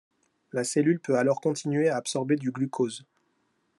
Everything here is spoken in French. La cellule peut alors continuer à absorber du glucose.